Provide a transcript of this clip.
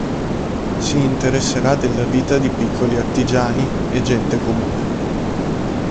Si interesserà della vita di piccoli artigiani e gente comune.